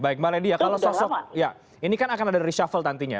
baik mbak ledia kalau sosok ya ini kan akan ada reshuffle nantinya